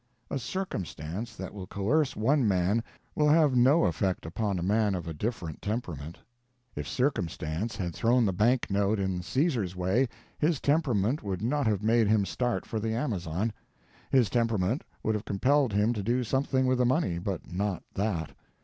A Circumstance that will coerce one man will have no effect upon a man of a different temperament. If Circumstance had thrown the bank note in Caesar's way, his temperament would not have made him start for the Amazon. His temperament would have compelled him to do something with the money, but not that.